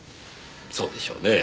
そうでしょうねえ。